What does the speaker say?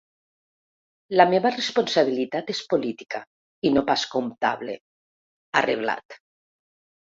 La meva responsabilitat és política i no pas comptable, ha reblat.